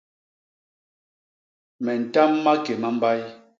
Me ntam maké ma mbay.